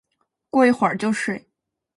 过一会就睡